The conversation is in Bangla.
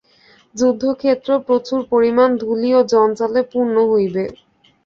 যুদ্ধক্ষেত্র প্রচুর পরিমাণ ধূলি ও জঞ্জালে পূর্ণ হইবে।